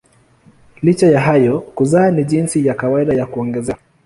Licha ya hayo kuzaa ni jinsi ya kawaida ya kuongezeka.